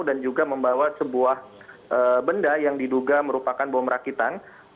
dan juga membawa sebuah benda yang diduga merupakan bom rakitan